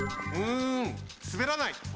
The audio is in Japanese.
うんすべらない。